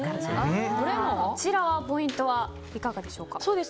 こちら、ポイントはいかがでしょうか。